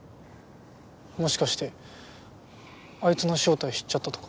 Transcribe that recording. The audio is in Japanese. もしかしてあいつの正体知っちゃったとか？